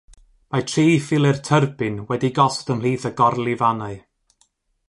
Mae tri philer tyrbin wedi'u gosod ymhlith y gorlifannau.